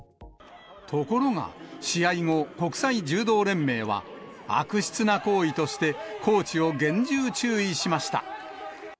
ところが、試合後、国際柔道連盟は悪質な行為として、コーチを厳重注意しました。